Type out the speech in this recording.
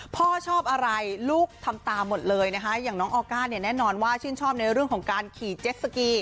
พ่อชอบอะไรลูกทำตามหมดเลยนะคะอย่างน้องออก้าเนี่ยแน่นอนว่าชื่นชอบในเรื่องของการขี่เจ็ดสกี